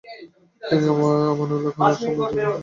তিনি আমানউল্লাহ খানের সময় জেনারেল হন।